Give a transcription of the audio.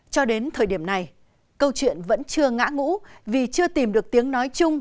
cho đến thời điểm này câu chuyện vẫn chưa ngã ngũ vì chưa tìm được tiếng nói chung